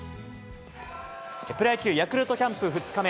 プロ野球・ヤクルトキャンプ２日目。